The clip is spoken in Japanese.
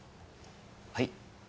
はい？